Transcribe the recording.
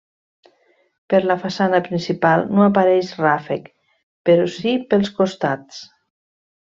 Per la façana principal no apareix ràfec, però sí pels costats.